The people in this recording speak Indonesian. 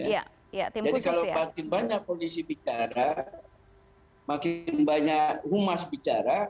jadi kalau tim banyak polisi bicara makin banyak humas bicara